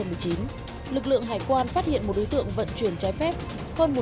lực lượng hải quan phát hiện một đối tượng vận chuyển trái phép